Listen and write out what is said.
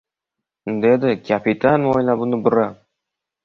dedi kapitan mo`ylabini burab